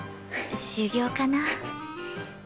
修行かな？